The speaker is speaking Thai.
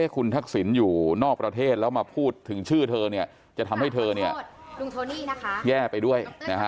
คุณทักษิณอยู่นอกประเทศแล้วมาพูดถึงชื่อเธอจะทำให้เธอนี่นะคะแย่ไปด้วย